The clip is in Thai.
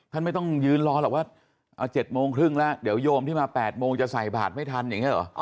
ไม่ต้องยืนรอหรอกว่า๗โมงครึ่งแล้วเดี๋ยวโยมที่มา๘โมงจะใส่บาทไม่ทันอย่างนี้เหรอ